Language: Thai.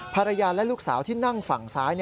ภรรยาและลูกสาวที่นั่งฝั่งซ้าย